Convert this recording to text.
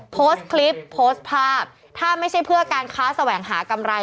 โพสต์คลิปโพสต์ภาพถ้าไม่ใช่เพื่อการค้าแสวงหากำไร